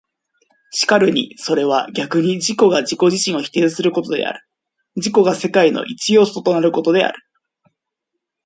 然るにそれは逆に自己が自己自身を否定することである、自己が世界の一要素となることである。